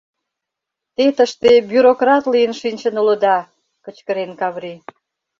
Те тыште бюрократ лийын шинчын улыда! — кычкырен Каври.